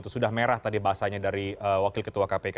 sudah merah tadi bahasanya dari wakil ketua kpk